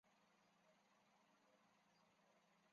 曾铣人。